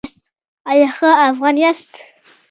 ایا ښه افغان یاست؟